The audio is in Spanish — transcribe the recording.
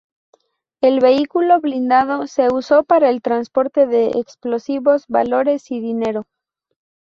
El vehículo blindado se usó para el transporte de explosivos, valores, y dinero.